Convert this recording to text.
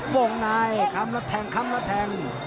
วงนายคำละแทงคำละแทง